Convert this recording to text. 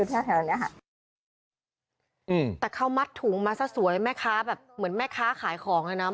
แต่เขามัดถุงมาซะสวยแม่ค้าแบบเหมือนแม่ค้าขายของเลยนะ